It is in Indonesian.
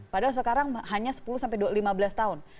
padahal sekarang hanya sepuluh sampai lima belas tahun